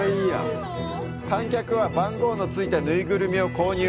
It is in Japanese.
観客は番号の付いたぬいぐるみを購入。